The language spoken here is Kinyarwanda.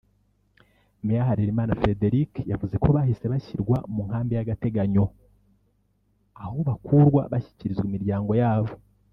Mayor Harerimana Frederic yavuze ko bahise bashyirwa mu nkambi y’agateganyo aho bakurwa bashyikirizwa imiryango ya bo